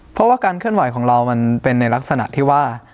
เพราะว่าการเคลื่อนไหวของเรามันเป็นในลักษณะที่ว่า